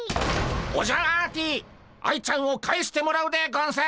オジャアーティ愛ちゃんを返してもらうでゴンス。